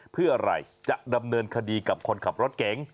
เพื่ออะไรจะดำเนินคดีกับคนขับรถเก๋ง